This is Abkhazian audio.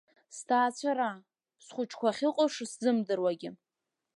Сҭаацәара, схәыҷқәа ахьыҟоу шысзымдыруагьы!